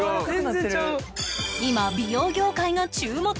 今美容業界が注目！